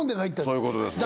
そういうことですね。